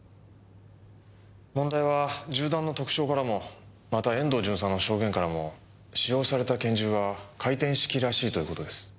問題は銃弾の特徴からもまた遠藤巡査の証言からも使用された拳銃は回転式らしいという事です。